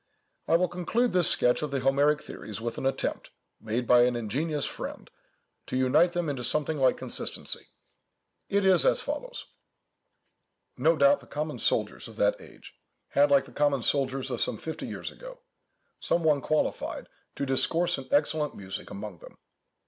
I will conclude this sketch of the Homeric theories, with an attempt, made by an ingenious friend, to unite them into something like consistency. It is as follows:— "No doubt the common soldiers of that age had, like the common sailors of some fifty years ago, some one qualified to 'discourse in excellent music' among them.